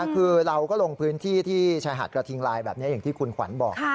คือเราก็ลงพื้นที่ที่ชายหาดกระทิงลายแบบนี้อย่างที่คุณขวัญบอก